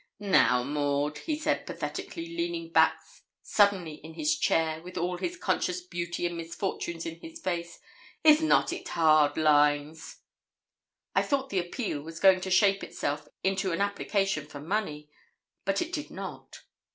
'Now, Maud,' said he, pathetically, leaning back suddenly in his chair, with all his conscious beauty and misfortunes in his face, 'is not it hard lines?' I thought the appeal was going to shape itself into an application for money; but it did not.